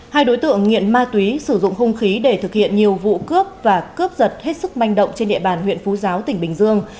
hai đối tượng nghiện ma túy sử dụng hung khí để thực hiện nhiều vụ cướp và cướp giật hết sức manh động trên địa bàn huyện phú giáo tỉnh bình dương